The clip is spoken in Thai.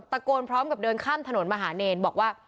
โกนพร้อมกับเดินข้ามถนนมหาเนรบอกว่า